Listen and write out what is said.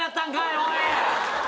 おい。